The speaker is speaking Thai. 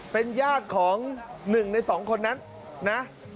เป็นยากของหนึ่งในสองคนนั้นนะ